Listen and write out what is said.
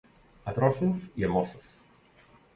A trossos i a mossos.